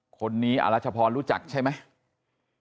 คนนี้อรัชพรรู้จักใช่ไหม